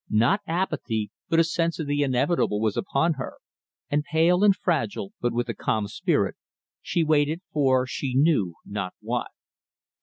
Not apathy, but a sense of the inevitable was upon her, and pale and fragile, but with a calm spirit, she waited for she knew not what.